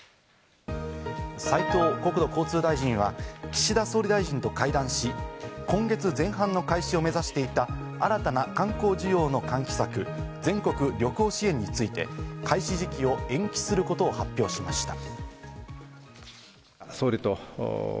斉藤国土交通大臣は岸田総理大臣と会談し、今月前半の開始を目指していた新たな観光需要の喚起策、全国旅行支援について開始時期を延期することを発表しました。